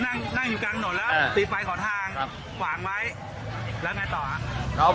นั่งอยู่กลางหน่อยแล้วตีไฟขอทางหว่างไว้แล้วไงต่อ